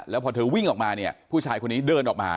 แล้วพอเธอวิ่งออกมาเนี่ยผู้ชายคนนี้เดินออกมา